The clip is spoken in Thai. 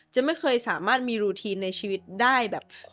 ไม่เคยสามารถมีรูทีนในชีวิตได้แบบ